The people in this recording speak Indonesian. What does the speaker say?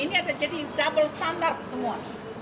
ini akan jadi double standard semua